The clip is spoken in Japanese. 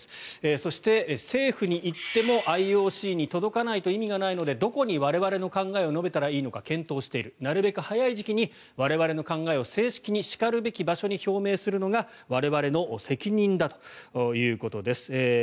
そして、政府に言ってもＩＯＣに届かないと意味がないのでどこに我々の考えを述べたらいいのか検討しているなるべく早い時期に我々の考えを正式にしかるべき場所に表明するのが我々の責任だということです。